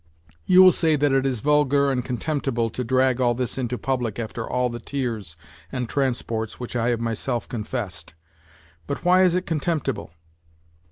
You will say that it is vulgar and con temptible to drag all this into public after all the tears and transports which I have myself confessed. But why is it con temptible